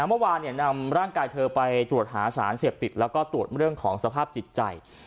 เมื่อวานนำร่างกายเธอไปตรวจหาสารเสพติดแล้วก็ตรวจเรื่องของสภาพจิตใจ